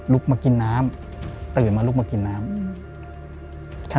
มากินน้ำตื่นมาลุกมากินน้ำ